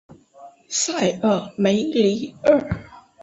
塞尔梅里厄。